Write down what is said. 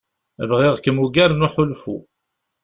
Bɣiɣ-kem ugar n uḥulfu.